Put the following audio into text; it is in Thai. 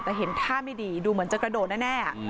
แต่เห็นท่าไม่ดีดูเหมือนจะกระโดดแน่